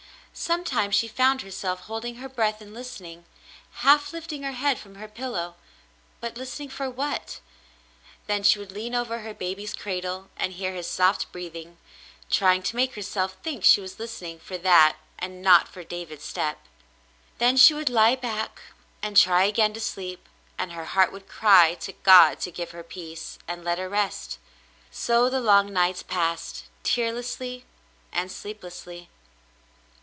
Sometimes she found herself holding her breath and listening, — half lifting her head from her pillow, — but listening for what ? Then she would lean over her baby's cradle, and hear his soft breathing, trying to make herself think she was listening for that and not for David's step. Then she would lie back and try again to sleep, and her heart would cry to God to give her peace, and let her rest. So the long nights passed, tearlessly and sleeplessly.